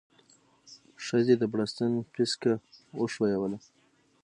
ښځې د بړستن پيڅکه وښويوله.